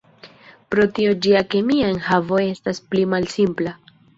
Pro tio ĝia kemia enhavo estas pli malsimpla.